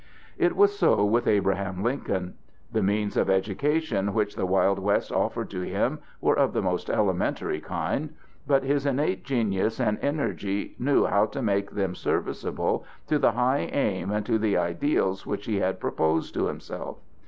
It was so with Abraham Lincoln. The means of education which the wild West offered to him were of the most elementary kind, but his innate genius and energy knew how to make them serviceable to the high aim and to the ideals which he had proposed to himself.